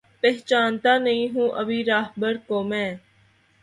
پہچانتا نہیں ہوں ابھی راہبر کو میں